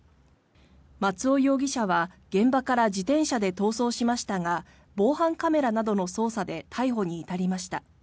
松尾容疑者は現場から自転車で逃走しましたが防犯カメラなどの捜査で逮捕に至りました。